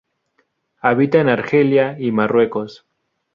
Habita en Argelia y Marruecos.